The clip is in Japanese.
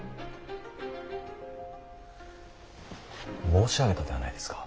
申し上げたではないですか。